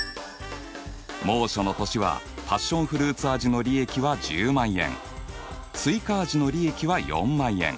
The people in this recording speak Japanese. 猛暑の年はパッションフルーツ味の利益は１０万円スイカ味の利益は４万円。